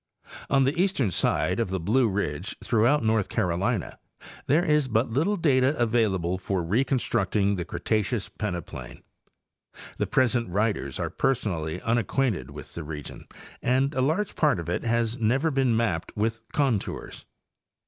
On the east ern side of the Blue ridge throughout North Carolina there is but little data available for reconstructing the Cretaceous pene plain. The present writers are personally unacquainted with the region and a large part of it has never been mapped with contours.